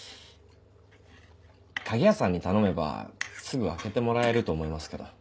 鍵屋さんに頼めばすぐ開けてもらえると思いますけど。